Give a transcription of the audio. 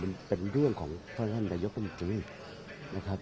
มันเป็นเรื่องของพระอันตรายกรรมกรุง